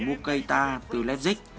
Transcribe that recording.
mua keita từ leipzig